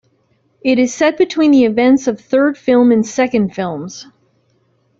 It is set between the events of third film and second films.